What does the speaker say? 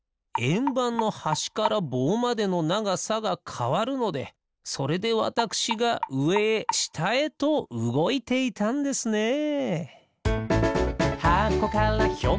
えんばんのはしからぼうまでのながさがかわるのでそれでわたくしがうえへしたへとうごいていたんですね。